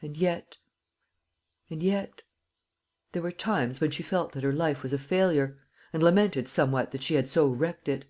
And yet and yet there were times when she felt that her life was a failure, and lamented somewhat that she had so wrecked it.